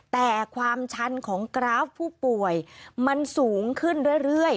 แต่ความชันของกราฟผู้ป่วยมันสูงขึ้นเรื่อย